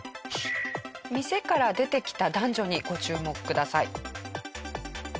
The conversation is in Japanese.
店から出てきた男女にご注目ください。